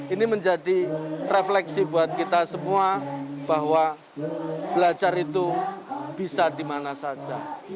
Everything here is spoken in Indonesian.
ini menjadi refleksi buat kita semua bahwa belajar itu bisa dimana saja